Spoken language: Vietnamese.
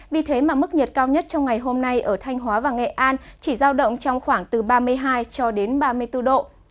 vì thế mà mức nhiệt cao nhất trong ngày hôm nay ở thanh hóa và nghệ an chỉ giao động trong khoảng từ ba mươi hai cho đến ba mươi bốn độ